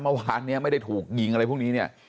เมื่อวานไม่ได้ถูกหยิงอะไรพวกนี้